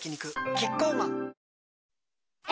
キッコーマン